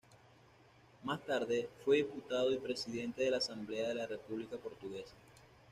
Más tarde fue diputado y presidente de la Asamblea de la República Portuguesa.